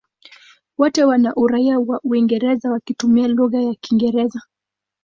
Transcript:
Wote wana uraia wa Uingereza wakitumia lugha ya Kiingereza.